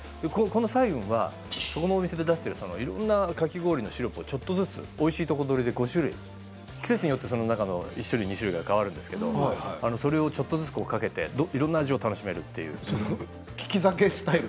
この彩雲はこのお店で出しているいろいろなかき氷のシロップをちょっとずつおいしいとこ取りで５種類季節によって１種類、２種類が変わるんですけれどそれをちょっとずつかけていろんな味を楽しむことができると。